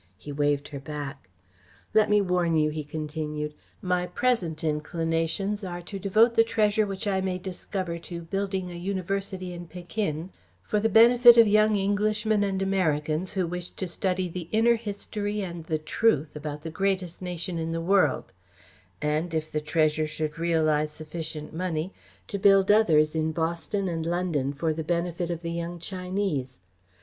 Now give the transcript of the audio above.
He waved her back. "Let me warn you," he continued, "my present inclinations are to devote the treasure which I may discover to building a university in Pekin for the benefit of young Englishmen and Americans who wish to study the inner history and the truth about the greatest nation in the world, and, if the treasure should realise sufficient money, to build others in Boston and London for the benefit of the young Chinese.